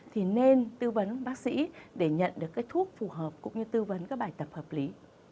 thì nên tư vấn bác sĩ để nhận được cái thuốc phù hợp cũng như tư vấn các bài tập hợp lý